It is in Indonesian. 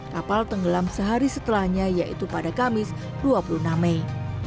kapal tenggelam sehari setelahnya yaitu pada kamis dua puluh enam mei